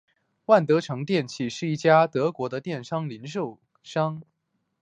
万得城电器是一家德国的电器零售商。